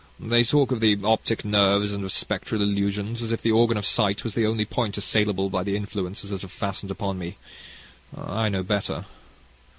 They talk of the optic nerves, and of spectral illusions, as if the organ of sight was the only point assailable by the influences that have fastened upon me I know better.